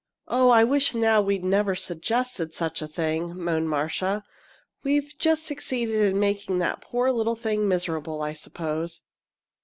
"Oh, I wish now we'd never suggested such a thing!" moaned Marcia. "We've just succeeded in making that poor little thing miserable, I suppose."